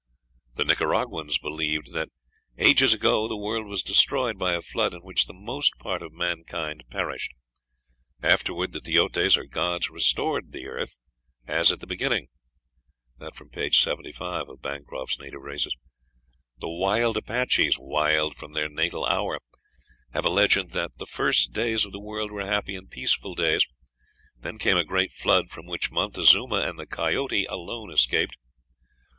The Nicaraguans believed "that ages ago the world was destroyed by a flood, in which the most part of mankind perished. Afterward the teotes, or gods, restored the earth as at the beginning." (Ibid., p. 75.) The wild Apaches, "wild from their natal hour," have a legend that "the first days of the world were happy and peaceful days;" then came a great flood, from which Montezuma and the coyote alone escaped.